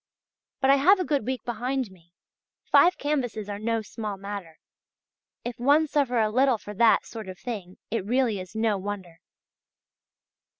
But I have a good week behind me: five canvases are no small matter; if one suffer a little for that sort of thing it really is no wonder.